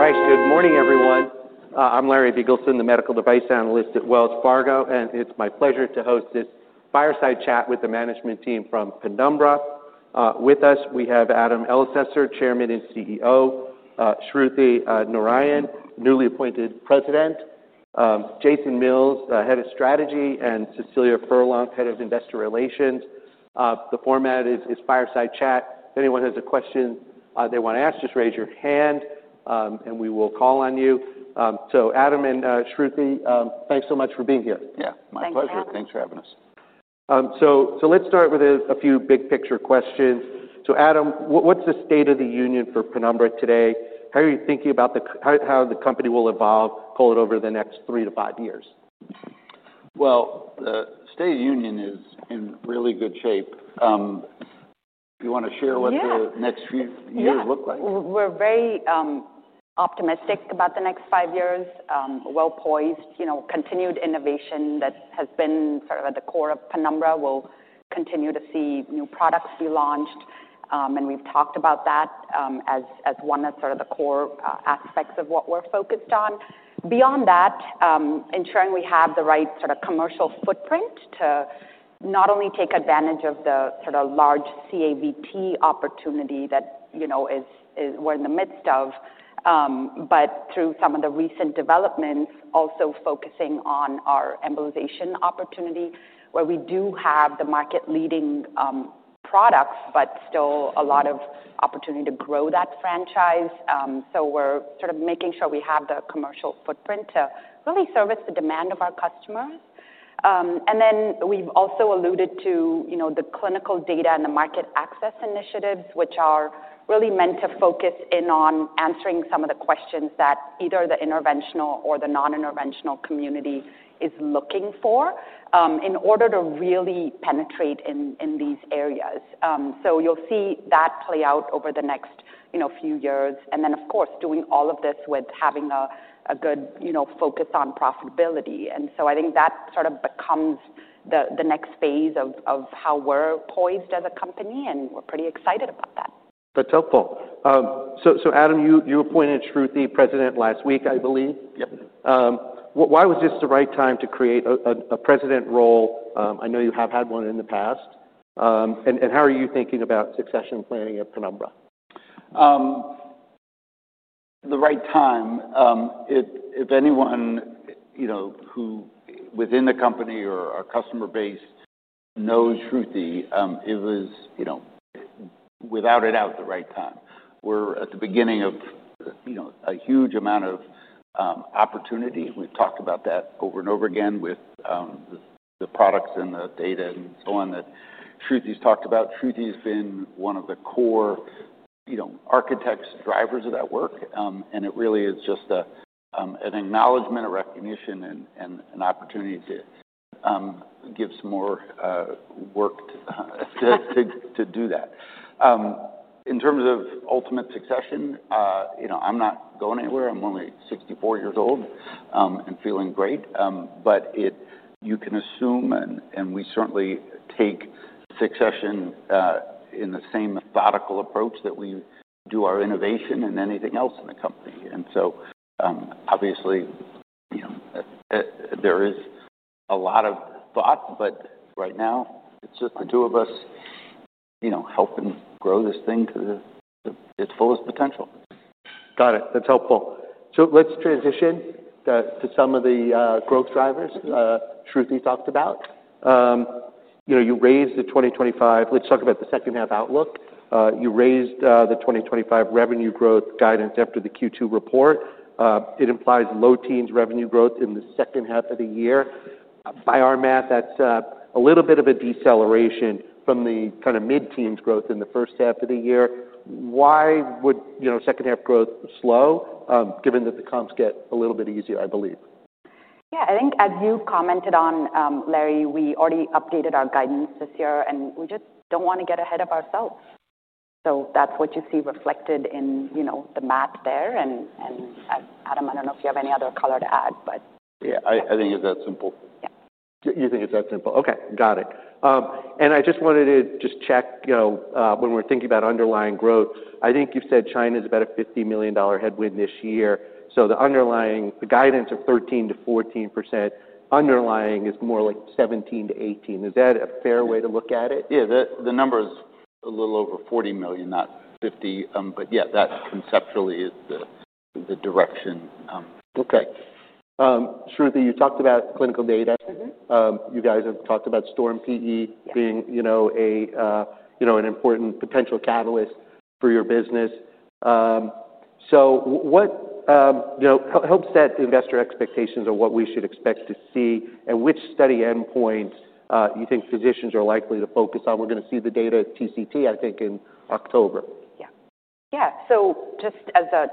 All right. Good morning, everyone. I'm Larry Biegelsen, the Medical Device Analyst at Wells Fargo, and it's my pleasure to host this fireside chat with the management team from Penumbra. With us, we have Adam Elsesser, Chairman and CEO; Shruthi Narayan, newly appointed President; Jee Hamlyn-Harris, Head of Strategy; and Cecilia Furlong, Head of Investor Relations. The format is fireside chat. If anyone has a question they want to ask, just raise your hand and we will call on you. Adam and Shruthi, thanks so much for being here. Yeah, my pleasure. Thanks for having us. Let's start with a few big picture questions. Adam, what's the state of the union for Penumbra, today? How are you thinking about how the company will evolve, call it over the next three to five years? The state of the union is in really good shape. You want to share what the next few years look like? We're very optimistic about the next five years. We're well-poised. Continued innovation that has been sort of at the core of Penumbra. We'll continue to see new products be launched, and we've talked about that as one of sort of the core aspects of what we're focused on. Beyond that, ensuring we have the right sort of commercial footprint to not only take advantage of the sort of large CAVT opportunity that we're in the midst of, but through some of the recent developments, also focusing on our embolization opportunity where we do have the market-leading products, but still a lot of opportunity to grow that franchise. We're sort of making sure we have the commercial footprint to really service the demand of our customers. We've also alluded to the clinical data and the market access initiatives, which are really meant to focus in on answering some of the questions that either the interventional or the non-interventional community is looking for in order to really penetrate in these areas. You'll see that play out over the next few years. Of course, doing all of this with having a good focus on profitability. I think that sort of becomes the next phase of how we're poised as a company, and we're pretty excited about that. That's helpful. Adam, you appointed Shruthi President last week, I believe. Yeah. Why was this the right time to create a President role? I know you have had one in the past. How are you thinking about succession planning at Penumbra? The right time. If anyone who is within the company or our customer base knows Shruthi, it was without a doubt the right time. We're at the beginning of a huge amount of opportunity. We've talked about that over and over again with the products and the data and so on that Shruthi's talked about. Shruthi's been one of the core architects, drivers of that work. It really is just an acknowledgment, a recognition, and an opportunity to give some more work to do that. In terms of ultimate succession, I'm not going anywhere. I'm only 64 years old and feeling great. You can assume, and we certainly take succession in the same methodical approach that we do our innovation and anything else in the company. Obviously, there is a lot of thought, but right now it's just the two of us helping grow this thing to its fullest potential. Got it. That's helpful. Let's transition to some of the growth drivers Shruthi talked about. You raised the 2025 revenue growth guidance after the Q2 report. It implies low teens revenue growth in the second half of the year. By our math, that's a little bit of a deceleration from the kind of mid-teens growth in the first half of the year. Why would second half growth slow given that the comps get a little bit easier, I believe? Yeah, I think as you commented on, Larry, we already updated our guidance this year, and we just don't want to get ahead of ourselves. That's what you see reflected in the math there. Adam, I don't know if you have any other color to add. Yeah, I think it's that simple. You think it's that simple. Okay, got it. I just wanted to check, you know, when we're thinking about underlying growth, I think you've said China's about a $50 million headwind this year. The underlying guidance of 13% - 14% underlying is more like 17 %- 18%. Is that a fair way to look at it? Yeah, the number is a little over $40 million, not $50 million. Yeah, that conceptually is the direction. Okay. Shruthi, you talked about clinical data. You guys have talked about Storm- PE being, you know, an important potential catalyst for your business. What, you know, helps set investor expectations of what we should expect to see and which study endpoint you think physicians are likely to focus on? We're going to see the data TCT, I think, in October. Yeah. Yeah. Just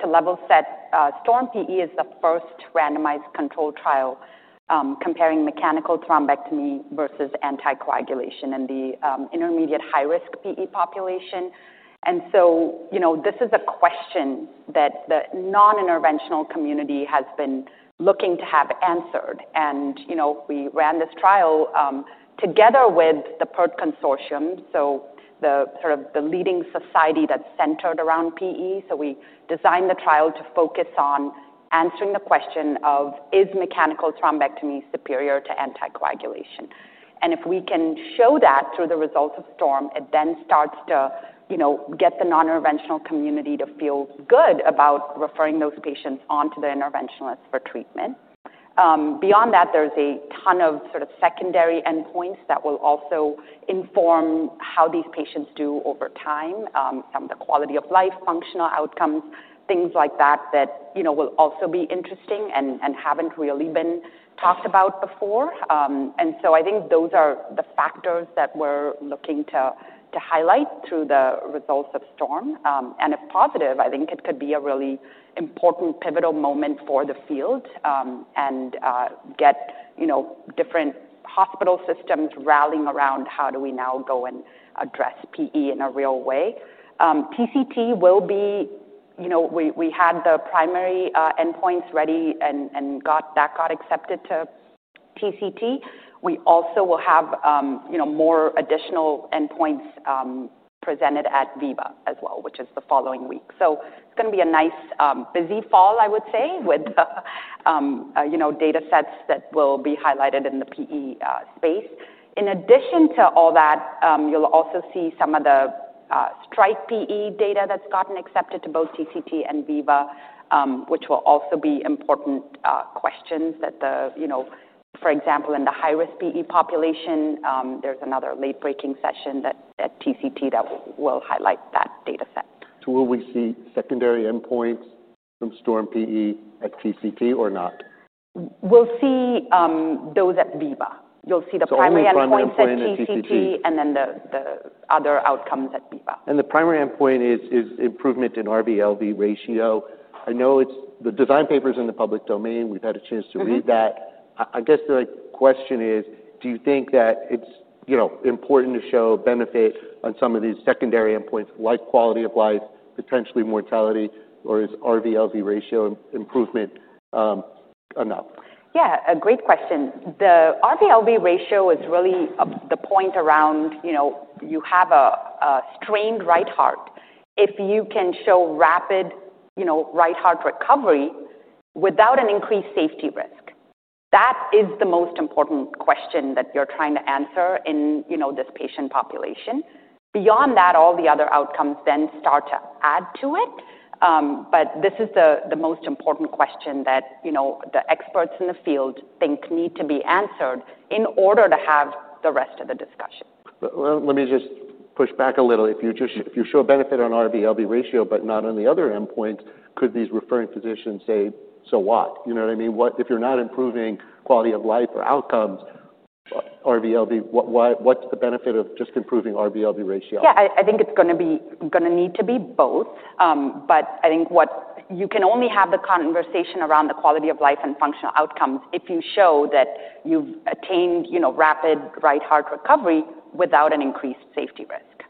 to level set, Storm- PE is the first randomized controlled trial comparing mechanical thrombectomy versus anticoagulation in the intermediate high-risk PE population. This is a question that the non-interventional community has been looking to have answered. We ran this trial together with the PERT Consortium, the leading society that's centered around PE. We designed the trial to focus on answering the question of, is mechanical thrombectomy superior to anticoagulation? If we can show that through the results of Storm, it then starts to get the non-interventional community to feel good about referring those patients on to the interventionalists for treatment. Beyond that, there's a ton of secondary endpoints that will also inform how these patients do over time, the quality of life, functional outcomes, things like that that will also be interesting and haven't really been talked about before. I think those are the factors that we're looking to highlight through the results of Storm. If positive, I think it could be a really important pivotal moment for the field and get different hospital systems rallying around how do we now go and address PE in a real way. TCT will be, we had the primary endpoints ready and that got accepted to TCT. We also will have more additional endpoints presented at Viva as well, which is the following week. It's going to be a nice busy fall, I would say, with data sets that will be highlighted in the PE space. In addition to all that, you'll also see some of the Stride PE data that's gotten accepted to both TCT and VIVA, which will also be important questions that, for example, in the high-risk PE population, there's another late-breaking session at TCT that will highlight that data set. Will we see secondary endpoints from Storm- PE at TCT or not? We'll see those at VIVA. You'll see the primary endpoints at TCT, and then the other outcomes at VIVA. The primary endpoint is improvement in RV/LV ratio. I know the design papers are in the public domain. We've had a chance to read that. I guess the question is, do you think that it's important to show benefit on some of these secondary endpoints, like Quality of Life, potentially mortality, or is RV/LV ratio improvement enough? Great question. The RV/LV ratio is really the point around, you know, you have a strained right heart. If you can show rapid, you know, right heart recovery without an increased safety risk, that is the most important question that you're trying to answer in, you know, this patient population. Beyond that, all the other outcomes then start to add to it. This is the most important question that, you know, the experts in the field think need to be answered in order to have the rest of the discussion. Let me just push back a little. If you show benefit on RV/LV ratio, but not on the other endpoints, could these referring physicians say, so what? You know what I mean? If you're not improving quality of life or outcomes, RV/LV, what's the benefit of just improving RV/LV ratio? Yeah, I think it's going to need to be both. I think you can only have the conversation around the Quality of Life and functional outcomes if you show that you've attained, you know, rapid right heart recovery without an increased safety risk.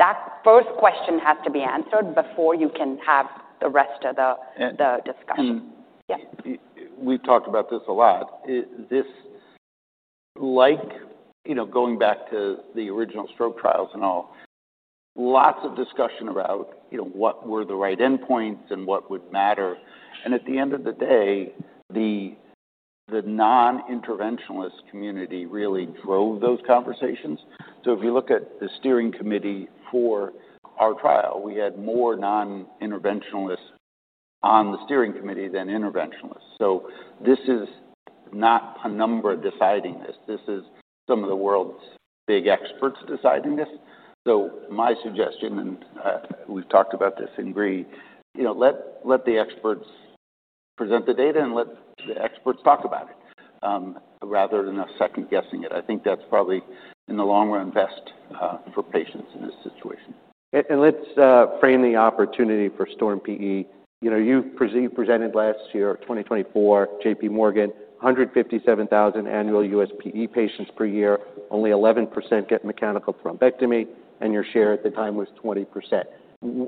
That first question has to be answered before you can have the rest of the discussion. Yeah. We've talked about this a lot. Going back to the original stroke trials and all, lots of discussion about what were the right endpoints and what would matter. At the end of the day, the non-interventionalist community really drove those conversations. If you look at the steering committee for our trial, we had more non-interventionalists on the steering committee than interventionalists. This is not Penumbra deciding this. This is some of the world's big experts deciding this. My suggestion, and we've talked about this in greed, let the experts present the data and let the experts talk about it rather than us second-guessing it. I think that's probably, in the long run, best for patients in this situation. Let's frame the opportunity for Storm -PE. You presented last year, 2024, at JPMorgan, 157,000 annual U.S. PE patients per year. Only 11% get mechanical thrombectomy, and your share at the time was 20%.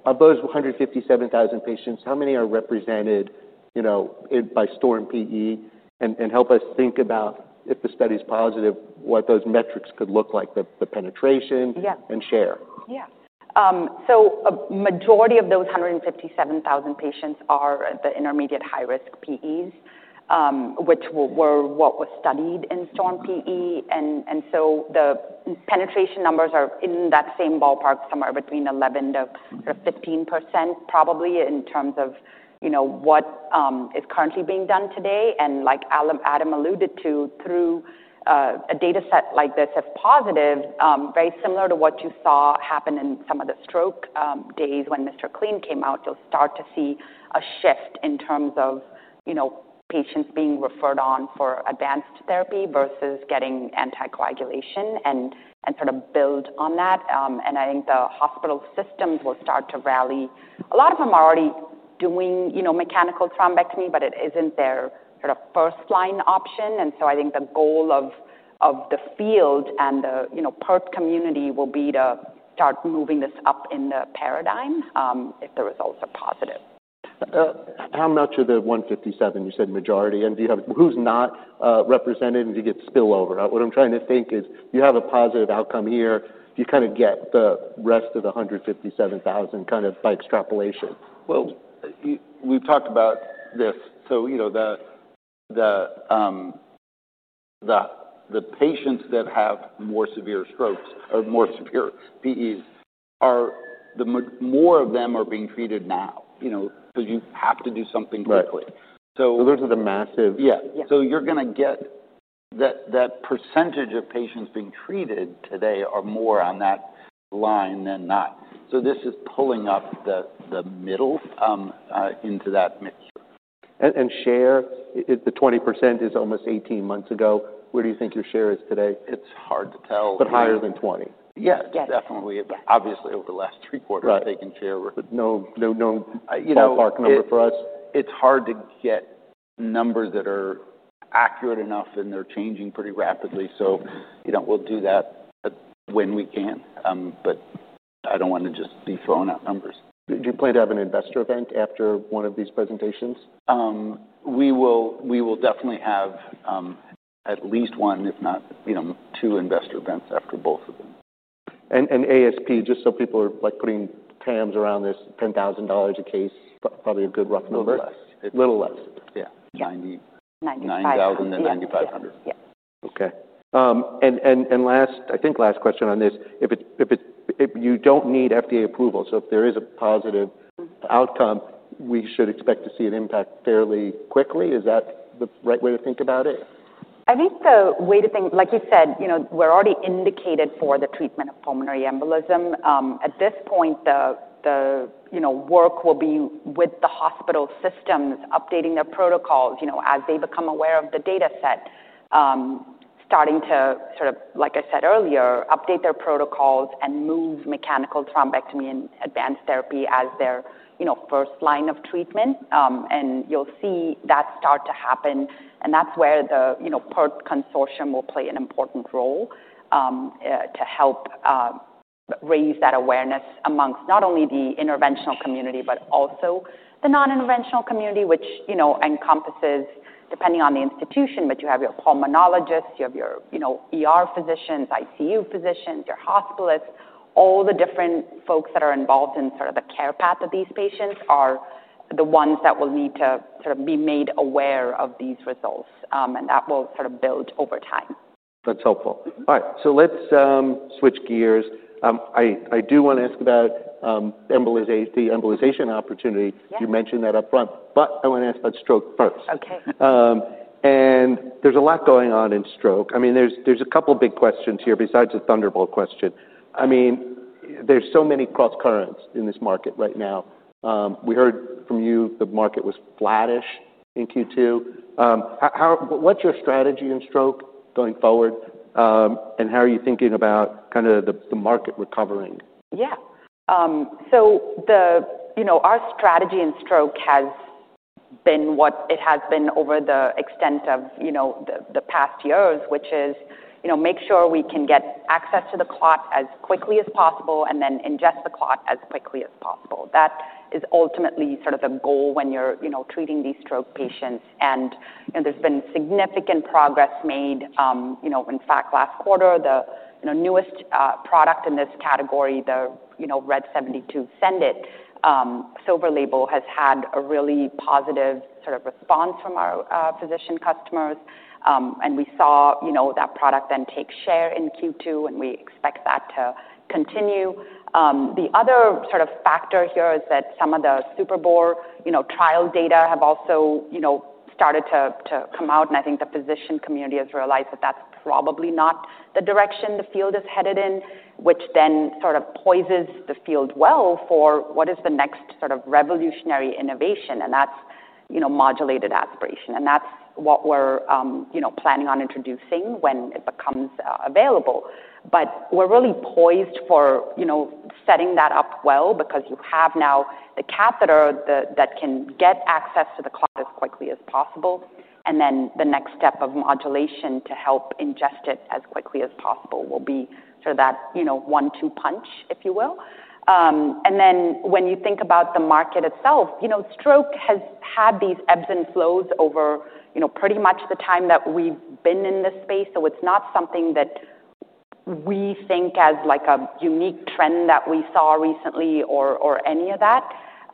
Of those 157,000 patients, how many are represented by Storm- PE? Help us think about, if the study is positive, what those metrics could look like, the penetration and share. Yeah. A majority of those 157,000 patients are the intermediate high-risk PEs, which were what was studied in Storm- PE. The penetration numbers are in that same ballpark, somewhere between 11%- 15%, probably in terms of, you know, what is currently being done today. Like Adam alluded to, through a data set like this, if positive, very similar to what you saw happen in some of the stroke days when MR CLEAN came out, you'll start to see a shift in terms of, you know, patients being referred on for advanced therapy versus getting anticoagulation and sort of build on that. I think the hospital systems will start to rally. A lot of them are already doing, you know, mechanical thrombectomy, but it isn't their sort of first-line option. I think the goal of the field and the PERT community will be to start moving this up in the paradigm if the results are positive. How much of the 157,000, you said majority, and do you have who's not represented, and do you get spillover? What I'm trying to think is, you have a positive outcome here. You kind of get the rest of the 157,000 kind of by extrapolation. The patients that have more severe strokes or more severe PEs, more of them are being treated now, you know, because you have to do something quickly. Those are the massive. Yeah, you're going to get that percentage of patients being treated today are more on that line than not. This is pulling up the middle into that mixture. The 20% is almost 18 months ago. Where do you think your share is today? It's hard to tell. Higher than 20%? Yeah, definitely. Obviously, over the last three quarters, taking share. No, you know. A dark number for us. It's hard to get numbers that are accurate enough, and they're changing pretty rapidly. You know, we'll do that when we can. I don't want to just be throwing out numbers. Do you plan to have an investor event after one of these presentations? We will definitely have at least one, if not two, investor events after both of them. ASP, just so people are like putting parameters around this, $10,000 a case, probably a good rough number? A little less. A little less. Yeah, $9,000 - $9,500. Okay. Last question on this, if you don't need FDA approval, if there is a positive outcome, we should expect to see an impact fairly quickly. Is that the right way to think about it? I think the way to think, like you said, you know, we're already indicated for the treatment of pulmonary embolism. At this point, the work will be with the hospital systems, updating their protocols as they become aware of the data set, starting to sort of, like I said earlier, update their protocols and move mechanical thrombectomy and advanced therapy as their first line of treatment. You'll see that start to happen. That's where the PERT Consortium will play an important role to help raise that awareness amongst not only the interventional community, but also the non-interventional community, which encompasses, depending on the institution, but you have your pulmonologists, you have your physicians, ICU physicians, your hospitalists, all the different folks that are involved in the care path of these patients are the ones that will need to be made aware of these results. That will build over time. That's helpful. All right, let's switch gears. I do want to ask about the embolization opportunity. You mentioned that up front, but I want to ask about stroke first. Okay. There is a lot going on in stroke. There are a couple of big questions here besides the Thunderbolt question. There are so many cross-currents in this market right now. We heard from you the market was flattish in Q2. What is your strategy in stroke going forward, and how are you thinking about the market recovering? Yeah. Our strategy in stroke has been what it has been over the extent of the past years, which is make sure we can get access to the clot as quickly as possible and then ingest the clot as quickly as possible. That is ultimately sort of the goal when you're treating these stroke patients. There's been significant progress made. In fact, last quarter, the newest product in this category, the RED 72 Send-It silver label, has had a really positive sort of response from our physician customers. We saw that product then take share in Q2, and we expect that to continue. The other sort of factor here is that some of the SuperBore trial data have also started to come out. I think the physician community has realized that that's probably not the direction the field is headed in, which then sort of poises the field well for what is the next sort of revolutionary innovation. That's modulated aspiration. That's what we're planning on introducing when it becomes available. We're really poised for setting that up well because you have now the catheter that can get access to the clot as quickly as possible. The next step of modulation to help ingest it as quickly as possible will be sort of that one-two punch, if you will. When you think about the market itself, stroke has had these ebbs and flows over pretty much the time that we've been in this space. It's not something that we think as like a unique trend that we saw recently or any of that.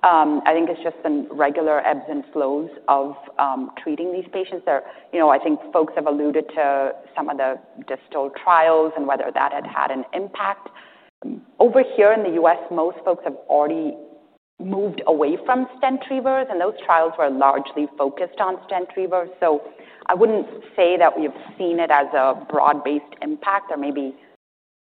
I think it's just been regular ebbs and flows of treating these patients. I think folks have alluded to some of the distal trials and whether that had had an impact. Over here in the U.S., most folks have already moved away from stent retrievers, and those trials were largely focused on stent retrievers. I wouldn't say that we have seen it as a broad-based impact. There may be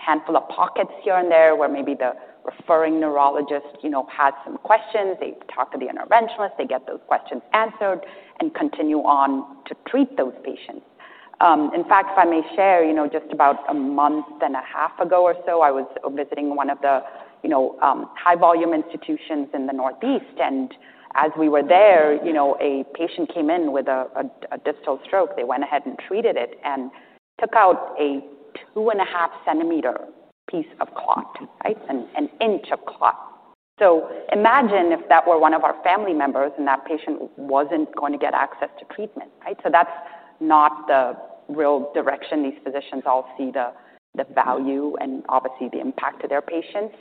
a handful of pockets here and there where maybe the referring neurologist had some questions. They talk to the interventionalists, they get those questions answered, and continue on to treat those patients. In fact, if I may share, just about a month and a half ago or so, I was visiting one of the high-volume institutions in the Northeast. As we were there, you know, a patient came in with a distal stroke. They went ahead and treated it and took out a 2.5-centimeter piece of clot, right, an inch of clot. Imagine if that were one of our family members and that patient wasn't going to get access to treatment, right? That's not the real direction. These physicians all see the value and obviously the impact to their patients.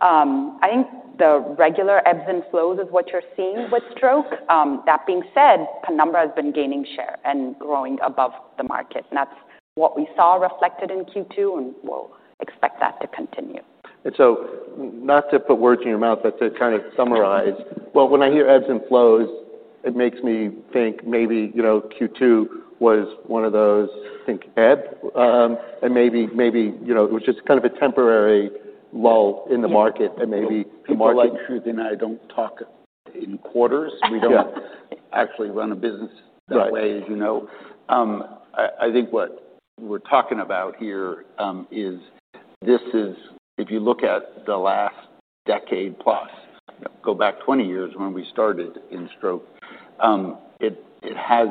I think the regular ebbs and flows is what you're seeing with stroke. That being said, Penumbra has been gaining share and growing above the market. That's what we saw reflected in Q2, and we'll expect that to continue. Not to put words in your mouth, but to kind of summarize, when I hear ebbs and flows, it makes me think maybe, you know, Q2 was one of those, I think, ebb, and maybe, you know, it was just kind of a temporary lull in the market. Maybe the market, Shruthi, and I don't talk in quarters. We don't actually run a business that way, as you know. I think what we're talking about here is this is, if you look at the last decade plus, go back 20 years when we started in stroke, it has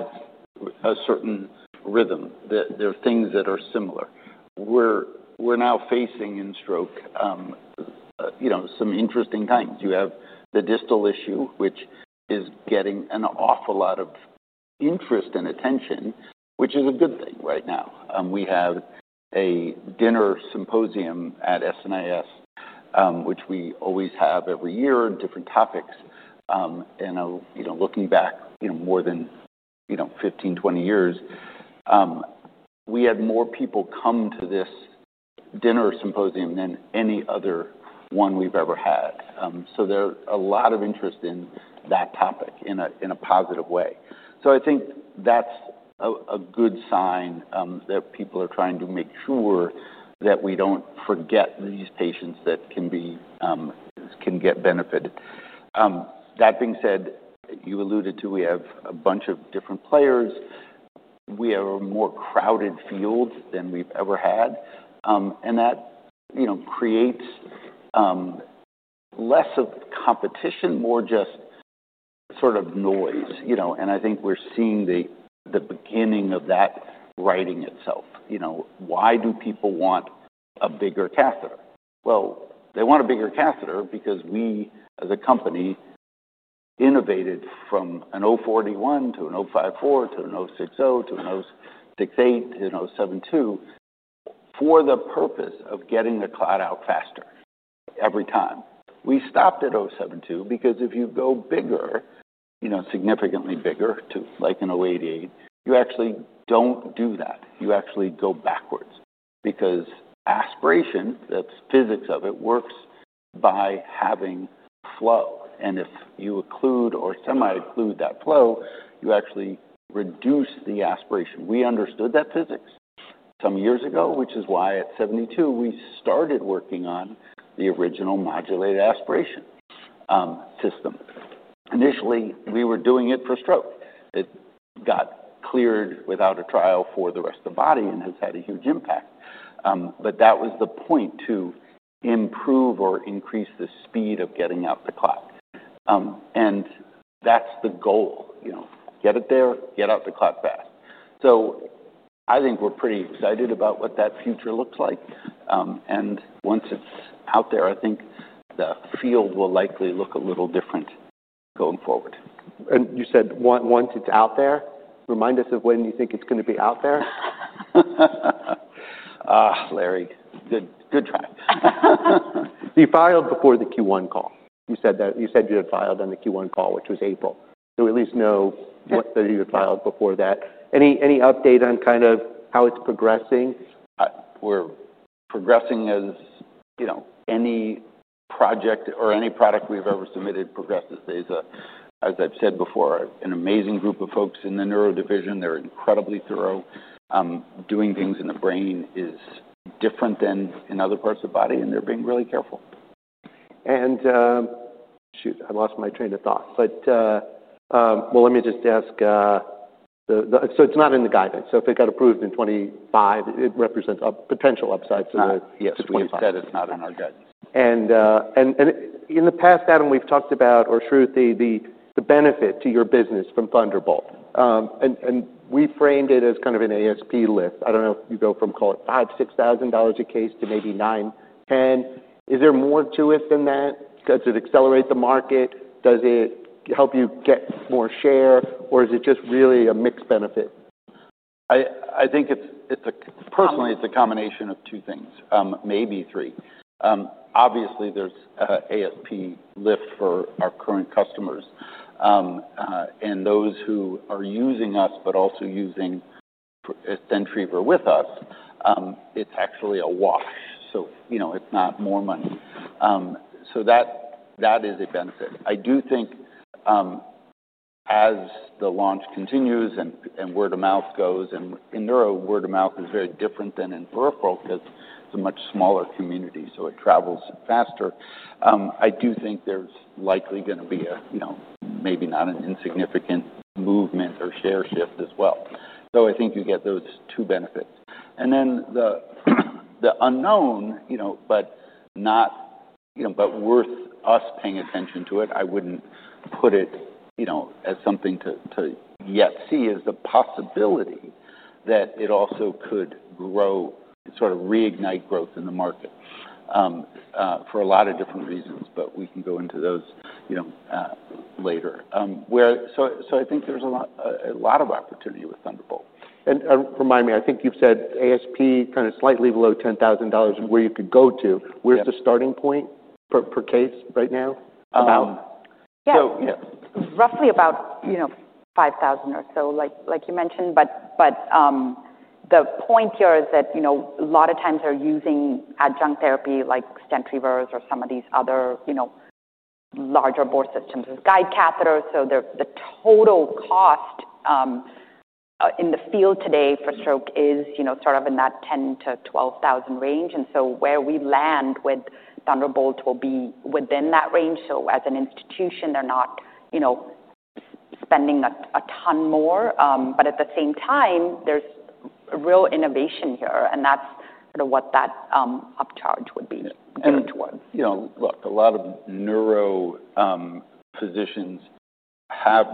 a certain rhythm. There are things that are similar. We're now facing in stroke some interesting times. You have the distal issue, which is getting an awful lot of interest and attention, which is a good thing right now. We have a dinner symposium at SNIS, which we always have every year on different topics. Looking back, more than 15, 20 years, we had more people come to this dinner symposium than any other one we've ever had. There is a lot of interest in that topic in a positive way. I think that's a good sign that people are trying to make sure that we don't forget these patients that can get benefited. That being said, you alluded to we have a bunch of different players. We have a more crowded field than we've ever had. That creates less of competition, more just sort of noise. I think we're seeing the beginning of that writing itself. Why do people want a bigger catheter? Well, they want a bigger catheter because we, as a company, innovated from an 041 to an 054 to an 060 to an 068 to an 072 for the purpose of getting the clot out faster every time. We stopped at 072 because if you go bigger, significantly bigger to like an 088, you actually don't do that. You actually go backwards because aspiration, the physics of it, works by having flow. If you occlude or semi-occlude that flow, you actually reduce the aspiration. We understood that physics some years ago, which is why at 072, we started working on the original modulated aspiration system. Initially, we were doing it for stroke. It got cleared without a trial for the rest of the body and has had a huge impact. That was the point to improve or increase the speed of getting out the clot. That's the goal, get it there, get out the clot fast. I think we're pretty excited about what that future looks like. Once it's out there, I think the field will likely look a little different going forward. You said once it's out there, remind us of when you think it's going to be out there. Larry, good try. You filed before the Q1 call. You said you had filed on the Q1 call, which was April. We at least know what you had filed before that. Any update on kind of how it's progressing? We're progressing as you know, any project or any product we've ever submitted progresses. There's, as I've said before, an amazing group of folks in the neuro division. They're incredibly thorough. Doing things in the brain is different than in other parts of the body, and they're being really careful. I lost my train of thought. Let me just ask, it's not in the guidance. If it got approved in 2025, it represents a potential upside. Yes, we said it's not in our guidance. In the past, Adam, we've talked about, or Shruthi, the benefit to your business from Thunderbolt. We framed it as kind of an ASP lift. I don't know if you go from, call it, $5,000, $6,000 a case to maybe $9,000. Is there more to it than that? Does it accelerate the market? Does it help you get more share? Is it just really a mixed benefit? I think it's a combination of two things, maybe three. Obviously, there's ASP lift for our current customers and those who are using us, but also using a stent retriever with us. It's actually a why, so it's not more money. That is a benefit. I do think as the launch continues and word of mouth goes, and in neuro, word of mouth is very different than in peripheral because it's a much smaller community, so it travels faster. I do think there's likely going to be, maybe not an insignificant movement or share shift as well. I think you get those two benefits. Then the unknown, but worth us paying attention to it. I wouldn't put it as something to yet see, is the possibility that it also could grow, sort of reignite growth in the market for a lot of different reasons. We can go into those later. I think there's a lot of opportunity with Thunderbolt. I think you've said ASP kind of slightly below $10,000 and where you could go to. Where's the starting point per case right now? About? Yeah. Yeah, roughly about $5,000 or so, like you mentioned. The point here is that a lot of times they're using adjunct therapy like stent retrievers or some of these other larger bore systems with guide catheters. The total cost in the field today for stroke is sort of in that $10,000- $12,000 range. Where we land with Thunderbolt will be within that range. As an institution, they're not spending a ton more. At the same time, there's real innovation here. That's sort of what that upcharge would be geared towards. You know, a lot of neuro physicians have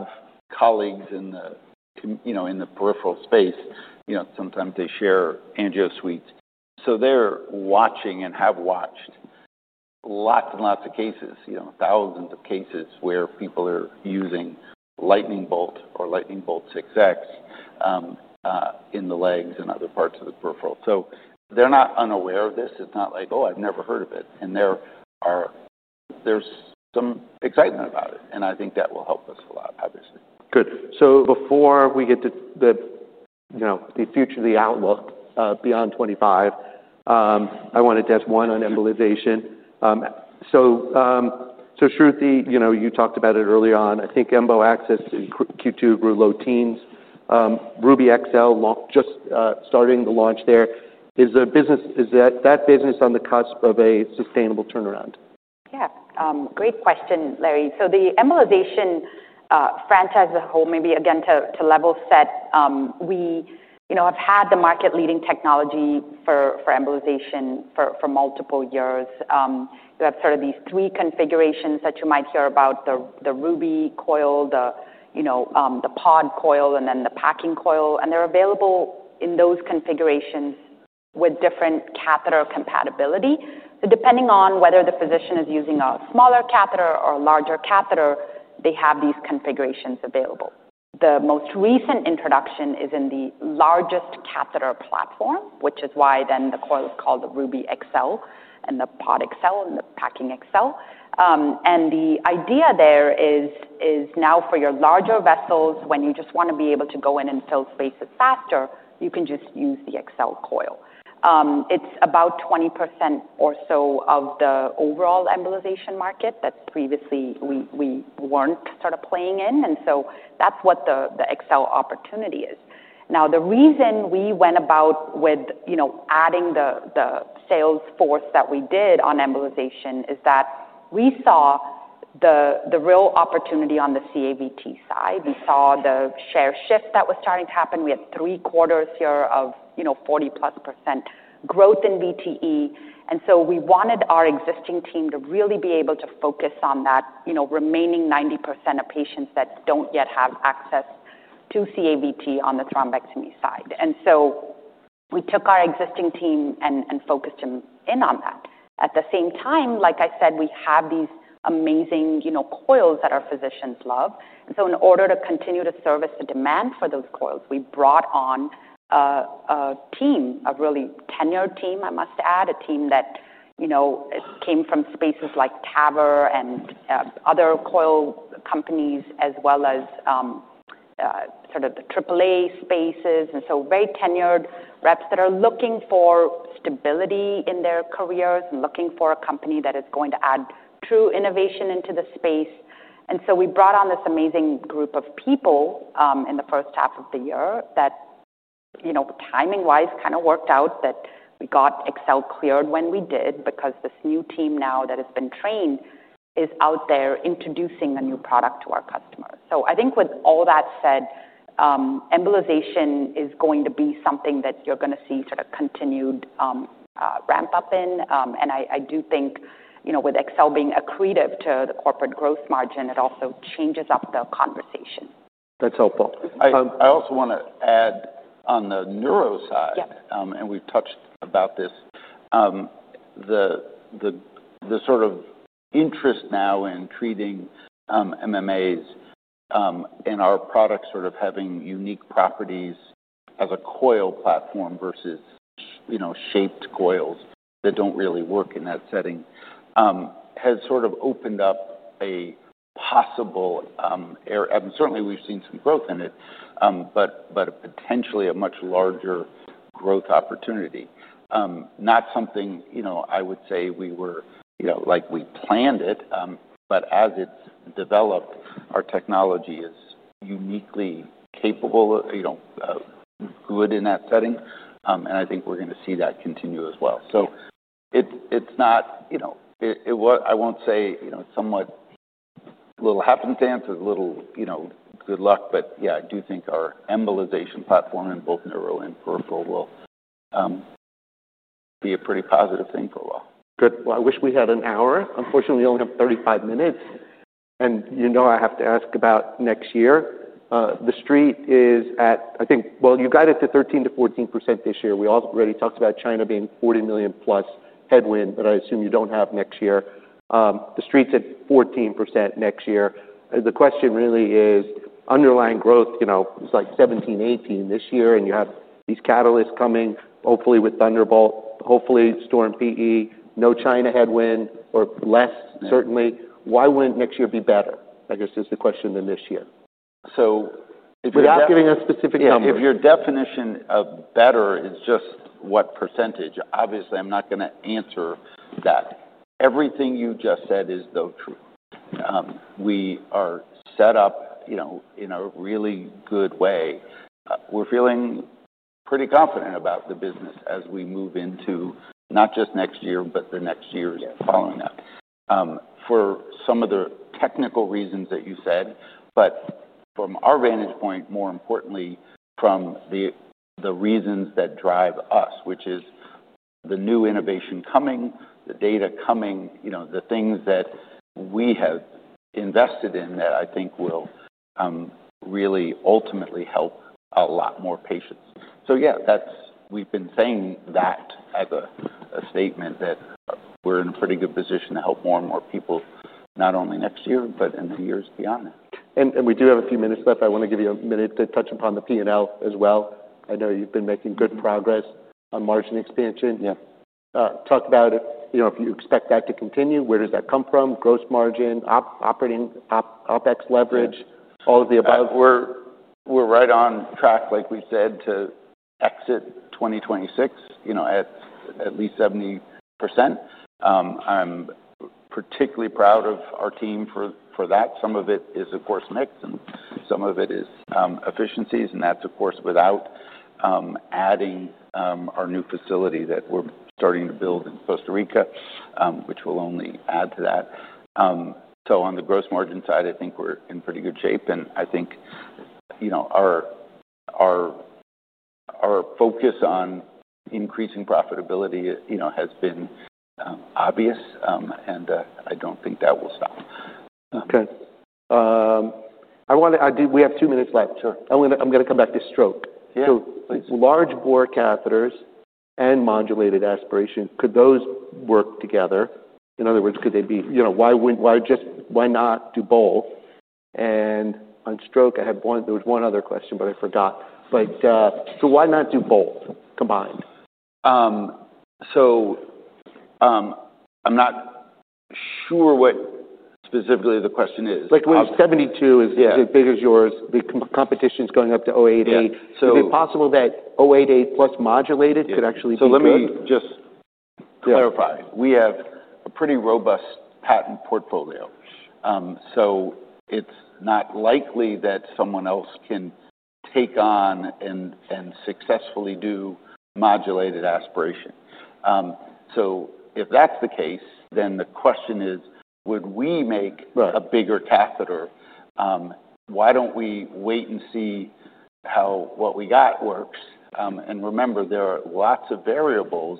colleagues in the peripheral space. Sometimes they share angio suites, so they're watching and have watched lots and lots of cases, thousands of cases where people are using Lightning Bolt or Lightning Bolt 6X in the legs and other parts of the peripheral. They're not unaware of this. It's not like, oh, I've never heard of it. There's some excitement about it. I think that will help us a lot, obviously. Good. Before we get to the future of the outlook beyond 2025, I want to test one on embolization. Shruthi, you talked about it early on. I think embolization access to Q2 grew low teens. Ruby XL just starting the launch there. Is that business on the cusp of a sustainable turnaround? Yeah, great question, Larry. The embolization franchise as a whole, maybe again to level set, we have had the market-leading technology for embolization for multiple years. You have sort of these three configurations that you might hear about: the Ruby Coil, the POD coil, and then the Packing Coil. They're available in those configurations with different catheter compatibility. Depending on whether the physician is using a smaller catheter or a larger catheter, they have these configurations available. The most recent introduction is in the largest catheter platform, which is why the coil is called the Ruby XL and the POD XL and the Packing XL. The idea there is now for your larger vessels, when you just want to be able to go in and fill spaces faster, you can just use the XL coil. It's about 20% or so of the overall embolization market that previously we weren't sort of playing in. That's what the XL opportunity is. The reason we went about with adding the sales force that we did on embolization is that we saw the real opportunity on the CAVT side. We saw the share shift that was starting to happen. We had three quarters here of +40% growth in VTE. We wanted our existing team to really be able to focus on that remaining 90% of patients that don't yet have access to CAVT on the thrombectomy side. We took our existing team and focused in on that. At the same time, like I said, we have these amazing coils that our physicians love. In order to continue to service the demand for those coils, we brought on a team, a really tenured team, I must add, a team that came from spaces like TAVR and other coil companies, as well as the AAA spaces. Very tenured reps that are looking for stability in their careers and looking for a company that is going to add true innovation into the space. We brought on this amazing group of people in the first half of the year that, timing-wise, kind of worked out that we got XL cleared when we did because this new team now that has been trained is out there introducing a new product to our customer. I think with all that said, embolization is going to be something that you're going to see continued ramp up in. I do think, with XL being accretive to the corporate gross margin, it also changes up the conversation. That's helpful. I also want to add on the neuro side, and we've touched about this, the sort of interest now in treating MMAs and our products sort of having unique properties as a coil platform versus, you know, shaped coils that don't really work in that setting has sort of opened up a possible, and certainly we've seen some growth in it, but potentially a much larger growth opportunity. Not something I would say we were, you know, like we planned it, but as it's developed, our technology is uniquely capable, you know, good in that setting. I think we're going to see that continue as well. It's not, you know, I won't say, you know, it's somewhat a little happenstance or a little, you know, good luck, but yeah, I do think our embolization platform in both neuro and peripheral will be a pretty positive thing for a while. Good. I wish we had an hour. Unfortunately, we only have 35 minutes. You know, I have to ask about next year. The street is at, I think, you got it to 13 %- 14% this year. We already talked about China being a +$40 million headwind, but I assume you don't have that next year. The street's at 14% next year. The question really is underlying growth, you know, it's like 17%- 18 this year, and you have these catalysts coming, hopefully with Thunderbolt, hopefully Storm- PE, no China headwind or less, certainly. Why wouldn't next year be better, I guess, is the question than this year? Without giving a specific number. If your definition of better is just what percentage, obviously, I'm not going to answer that. Everything you just said is, though, true. We are set up in a really good way. We're feeling pretty confident about the business as we move into not just next year, but the next year following that. For some of the technical reasons that you said, but from our vantage point, more importantly, from the reasons that drive us, which is the new innovation coming, the data coming, the things that we have invested in that I think will really ultimately help a lot more patients. That's why we've been saying that as a statement that we're in a pretty good position to help more and more people, not only next year, but in the years beyond that. We do have a few minutes left. I want to give you a minute to touch upon the P&L as well. I know you've been making good progress on margin expansion. Yeah. Talk about if you expect that to continue, where does that come from? Gross margin, operating OpEx leverage, all of the above. We're right on track, like we said, to exit 2026 at at least 70%. I'm particularly proud of our team for that. Some of it is, of course, mixed, and some of it is efficiencies, and that's, of course, without adding our new facility that we're starting to build in Costa Rica, which will only add to that. On the gross margin side, I think we're in pretty good shape, and I think our focus on increasing profitability has been obvious, and I don't think that will stop. Okay, I want to, we have two minutes left. Sure. I'm going to come back to stroke. Yeah. Large bore catheters and modulated aspiration, could those work together? In other words, could they be, you know, why not do both? On stroke, I had one, there was one other question, but I forgot. Why not do both combined? I'm not sure what specifically the question is. Like when 072 is as big as yours, the competition is going up to 088. Is it possible that 088 plus modulated could actually be? Let me just clarify. We have a pretty robust patent portfolio. It's not likely that someone else can take on and successfully do modulated aspiration. If that's the case, then the question is, would we make a bigger catheter? Why don't we wait and see how what we got works? Remember, there are lots of variables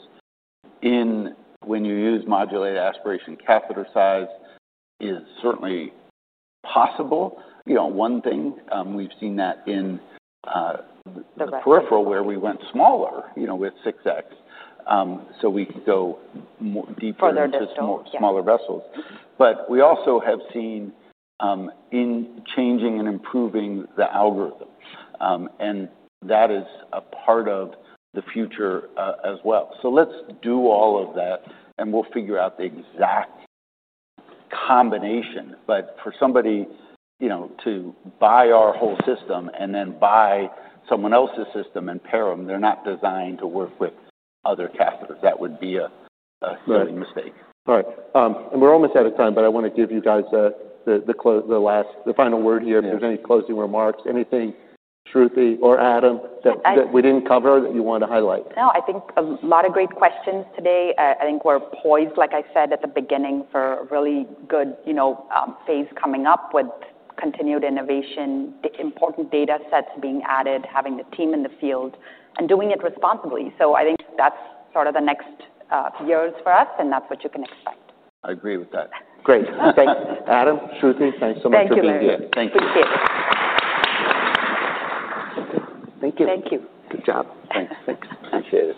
in when you use modulated aspiration. Catheter size is certainly possible. One thing we've seen in the peripheral where we went smaller, you know, with 6X, we could go deeper into smaller vessels. We also have seen in changing and improving the algorithm, and that is a part of the future as well. Let's do all of that, and we'll figure out the exact combination. For somebody to buy our whole system and then buy someone else's system and pair them, they're not designed to work with other catheters. That would be a silly mistake. All right. We're almost out of time, but I want to give you guys the final word here. If there's any closing remarks, anything, Shruthi or Adam, that we didn't cover that you want to highlight? I think a lot of great questions today. I think we're poised, like I said at the beginning, for a really good phase coming up with continued innovation, the important data sets being added, having the team in the field, and doing it responsibly. I think that's sort of the next few years for us, and that's what you can expect. I agree with that. Great. Okay. Adam, Shruthi, thanks so much for being here. Thank you. Appreciate it. Thank you. Thank you. Good job. Thanks. Thanks. Appreciate it.